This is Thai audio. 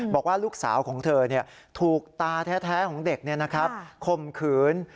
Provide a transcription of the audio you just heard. บอกว่าลูกสาวของเธอถูกตาแท้ของเด็กข่มขืน